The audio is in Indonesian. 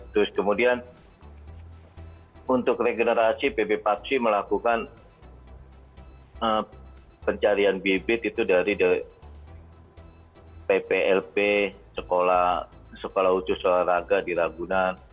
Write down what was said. terus kemudian untuk regenerasi pp parti melakukan pencarian bibit itu dari pplp sekolah ucus olahraga di laguna